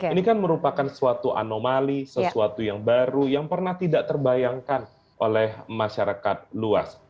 ini kan merupakan suatu anomali sesuatu yang baru yang pernah tidak terbayangkan oleh masyarakat luas